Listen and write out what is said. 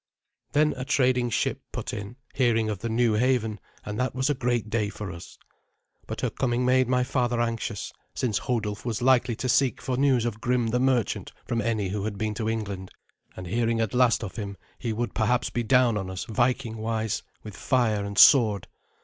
Then a trading ship put in, hearing of the new haven, and that was a great day for us. But her coming made my father anxious, since Hodulf was likely to seek for news of Grim the merchant from any who had been to England; and hearing at last of him, he would perhaps be down on us, Vikingwise, with fire and sword.